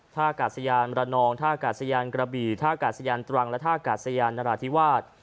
ท่ากาศยานมรนองท่ากาศยานกระบี่ท่ากาศยานตรังและท่ากาศยานนราธิวาส